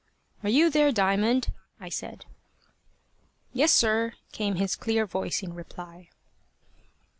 "Are you there, Diamond?" I said. "Yes, sir," came his clear voice in reply.